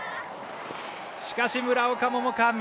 しかし、村岡桃佳